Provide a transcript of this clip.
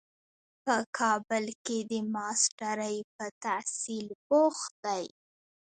په کابل کې د ماسټرۍ په تحصیل بوخت دی.